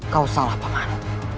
kau salah paman